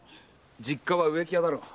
実家は植木屋だろう。